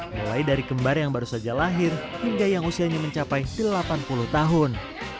mulai dari kembar yang baru saja lahir hingga yang usianya mencapai delapan puluh tahun